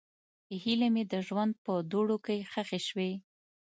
هیلې مې د ژوند په دوړو کې ښخې شوې.